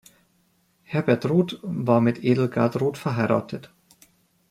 Herbert Roth war mit Edelgard Roth verheiratet.